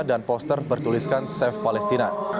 dan poster bertuliskan save palestina